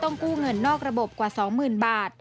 กู้เงินนอกระบบกว่า๒๐๐๐บาท